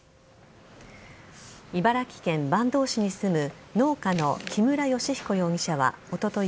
茨城県坂東市に住む農家の木村良彦容疑者は、おととい